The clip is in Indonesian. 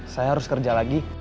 saya harus kerja lagi